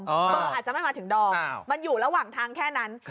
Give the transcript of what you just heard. เบอร์อาจจะไม่มาถึงดอมมันอยู่ระหว่างทางแค่นั้น